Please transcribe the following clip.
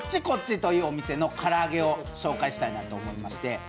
こっちというお店の唐揚げを紹介したいなと思いまして